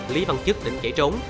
lý văn chức định chạy trốn